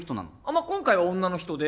まぁ今回は女の人で。